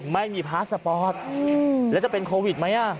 ไม่มีพาสต์สปอร์ตอืมแล้วจะเป็นโควิดไหมอ่ะ